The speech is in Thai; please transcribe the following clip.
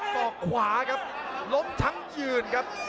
ศอกขวาครับล้มทั้งยืนครับ